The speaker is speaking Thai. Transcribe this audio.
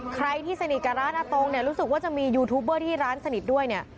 ใครที่สนิทกับร้านอาตงเนี่ยรู้สึกว่าจะมียูทูบเบอร์ที่ร้านสนิทด้วยเนี่ย